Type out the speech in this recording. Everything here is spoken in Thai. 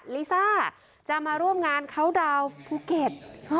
ลิซ่าจะมาร่วมงานเขาดาวน์ภูเก็ต